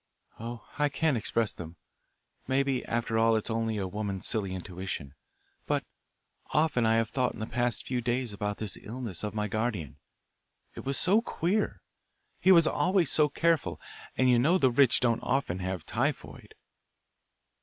"Oh, I can't express them. Maybe after all it's only a woman's silly intuition. But often I have thought in the past few days about this illness of my guardian. It was so queer. He was always so careful. And you know the rich don't often have typhoid."